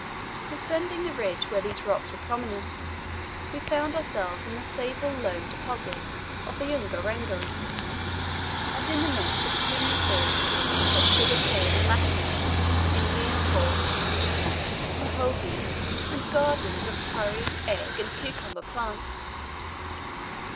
Descending the ridge where these rocks were prominent, we found ourselves in the sable loam deposit of the Ungerengeri, and in the midst of teeming fields of sugar cane and matama, Indian corn, muhogo, and gardens of curry, egg, and cucumber plants.